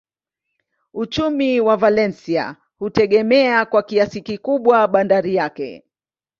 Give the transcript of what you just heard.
Uchumi wa Valencia hutegemea kwa kiasi kikubwa bandari yake.